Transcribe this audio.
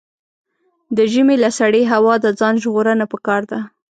د ژمي له سړې هوا د ځان ژغورنه پکار ده.